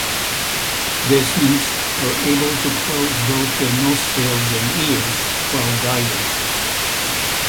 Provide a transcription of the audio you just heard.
Desmans are able to close both their nostrils and ears while diving.